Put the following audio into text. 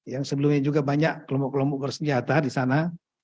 yang sebelumnya juga banyak kelompok kelompok bersenjata di sana